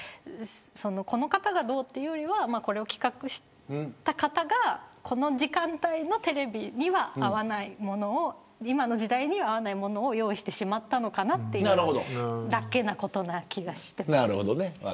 この方がどうというよりはこれを企画した方がこの時間帯のテレビには合わないものを今の時代には合わないものを用意してしまったのかなというだけな気がしています。